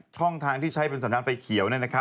ช่องทางที่ใช้เป็นสถานฟัยเขียว